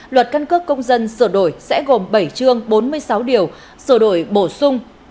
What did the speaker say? luật căn cước công dân sửa đổi sẽ gồm bảy chương bốn mươi sáu điều sửa đổi bổ sung